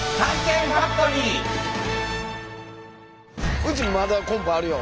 うちまだコンポあるよ。